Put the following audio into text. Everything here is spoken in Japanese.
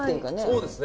そうですね。